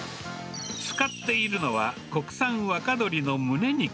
使っているのは、国産若鶏のむね肉。